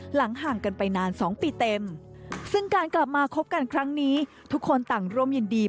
ห่างกันไปนาน๒ปีเต็มซึ่งการกลับมาคบกันครั้งนี้ทุกคนต่างร่วมยินดี